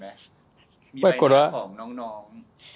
มีใบบ้านของน้อง